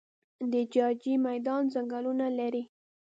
د جاجي میدان ځنګلونه لري